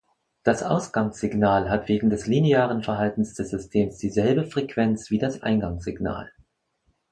Das Ausgangssignal hat wegen des linearen Verhaltens des Systems dieselbe Frequenz wie das Eingangssignal.